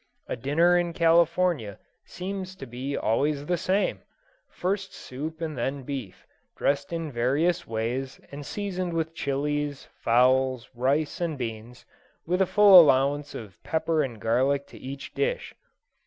A dinner in California seems to be always the same first soup and then beef, dressed in various ways, and seasoned with chillies, fowls, rice, and beans, with a full allowance of pepper and garlic to each dish.